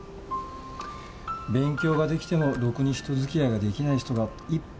勉強が出来てもろくに人付き合いが出来ない人がいっぱいいるよ。